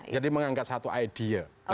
jadi mengangkat satu idea